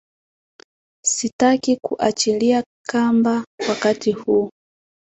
Sitaki kuachilia kamba wakati huu